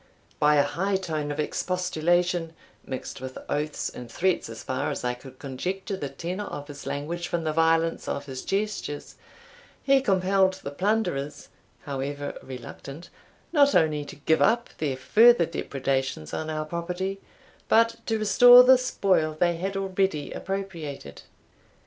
By a high tone of expostulation, mixed with oaths and threats, as far as I could conjecture the tenor of his language from the violence of his gestures, he compelled the plunderers, however reluctant, not only to give up their further depredations on our property, but to restore the spoil they had already appropriated.